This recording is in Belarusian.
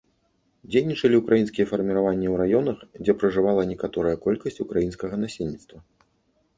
Дзейнічалі ўкраінскія фарміраванні ў раёнах, дзе пражывала некаторыя колькасць украінскага насельніцтва.